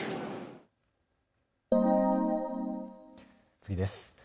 次です。